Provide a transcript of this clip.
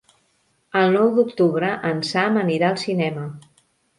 El nou d'octubre en Sam anirà al cinema.